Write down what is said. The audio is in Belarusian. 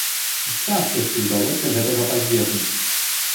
З цяжкасцю ўдалося гэтага пазбегнуць.